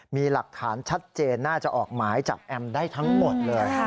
มีหลักฐานชัดเจนน่าจะออกหมายจับแอมได้ทั้งหมดเลย